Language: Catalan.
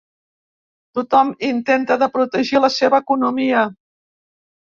Tothom intenta de protegir la seva economia.